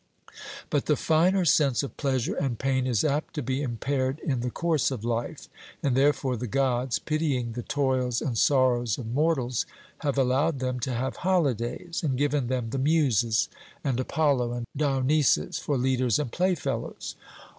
But the finer sense of pleasure and pain is apt to be impaired in the course of life; and therefore the Gods, pitying the toils and sorrows of mortals, have allowed them to have holidays, and given them the Muses and Apollo and Dionysus for leaders and playfellows.